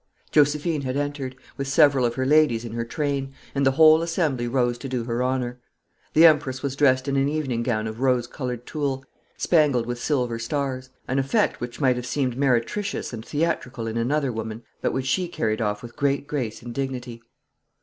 Josephine had entered, with several of her ladies in her train, and the whole assembly rose to do her honour. The Empress was dressed in an evening gown of rose coloured tulle, spangled with silver stars an effect which might have seemed meretricious and theatrical in another woman, but which she carried off with great grace and dignity.